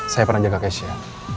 saya pernah jaga keisha